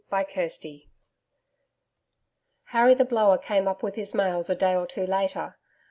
CHAPTER 12 Harry the Blower came up with his mails a day or two later.